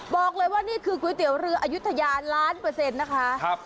บอกเลยว่านี่คือก๋วยเตี๋ยวเรืออายุทยาล้านเปอร์เซ็นต์นะคะ